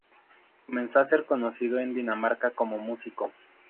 Comenzó a ser conocido en Dinamarca como músico.